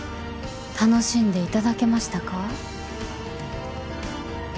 楽しんでいただけましたか？